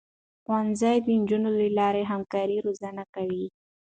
ښوونځی د نجونو له لارې همکاري روزنه کوي.